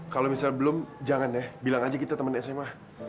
kalau misalnya belum jangan ya bilang aja kita teman sma